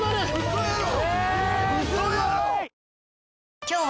嘘やろ！？